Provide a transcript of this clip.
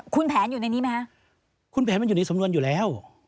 คุณแผนอยู่ในนี้ไหมคะคุณแผนมันอยู่ในสำนวนอยู่แล้ว